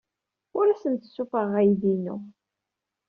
Ur asen-d-ssuffuɣeɣ aydi-inu.